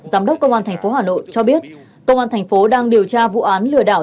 giám đốc công an tp hà nội cho biết công an thành phố đang điều tra vụ án lừa đảo